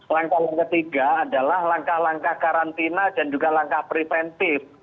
langkah langkah ketiga adalah langkah langkah karantina dan juga langkah preventif